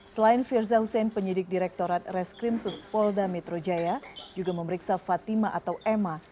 selain firza hussein penyidik direktorat reskrim suspolda metro jaya juga memeriksa fatima atau emma